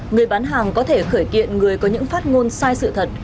người bán hàng có thể khởi kiện người có những phát ngôn sai sự thật